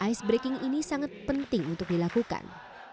icebreaking ini sangat penting untuk dilakukan